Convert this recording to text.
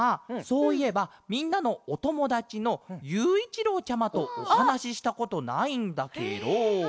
そういえばみんなのおともだちのゆういちろうちゃまとおはなししたことないんだケロ。